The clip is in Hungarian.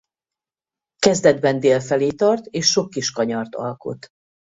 Kezdetben dél felé tart és sok kis kanyart alkot.